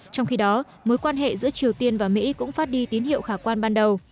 trong khi đó mối quan hệ giữa triều tiên và mỹ cũng phát đi tín hiệu khả quan ban đầu